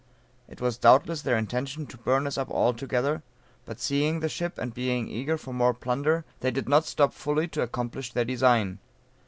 It was doubtless their intention to burn us up altogether, but seeing the ship, and being eager for more plunder they did not stop fully to accomplish their design.